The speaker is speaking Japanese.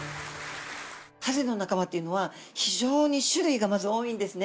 ハゼの仲間というのは、非常に種類がまず多いんですね。